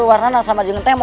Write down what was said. warnanya sama dengan aku